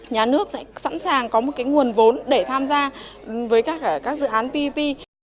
nhà nước sẽ sẵn sàng có một nguồn vốn để tham gia với các dự án ppp